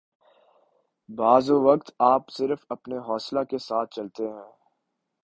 بعض اوقات آپ صرف اپنے حوصلہ کے ساتھ چلتے ہیں